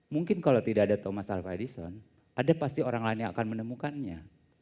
mungkin kalau tidak ada thomas alva edison ada pasti orang lain yang akan menemukannya